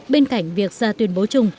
bên cạnh việc ra tuyên bố trung